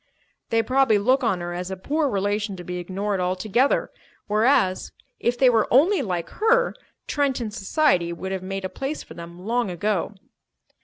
"They probably look on her as a poor relation to be ignored altogether; whereas, if they were only like her, Trenton society would have made a place for them long ago."